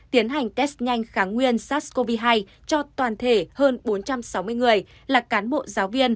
tiến hành test nhanh kháng nguyên sars cov hai cho toàn thể hơn bốn trăm sáu mươi người là cán bộ giáo viên